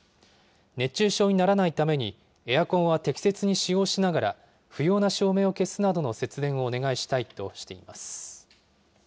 熱中症にならないためにエアコンは適切に使用しながら不要な照明を消すなどの節電をお願いしたいとしています。